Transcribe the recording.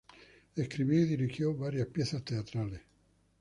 Escribió y dirigió varias piezas teatrales.